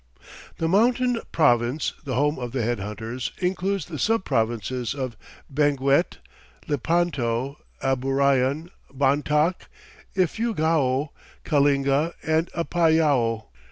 The Mountain Province, the home of the head hunters, includes the sub provinces of Benguet, Lepanto, Amburayan, Bontoc, Ifugao, Kalinga and Apayao.